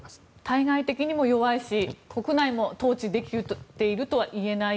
対外的にも弱いし国内も統治できているとは言えない。